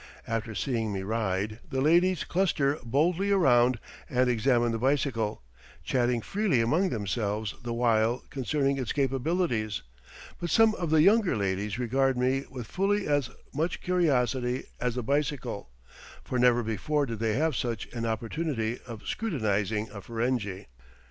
After seeing me ride, the ladies cluster boldly around and examine the bicycle, chatting freely among themselves the while concerning its capabilities; but some of the younger ladies regard me with fully as much curiosity as the bicycle, for never before did they have such an opportunity of scrutinizing a Ferenghi.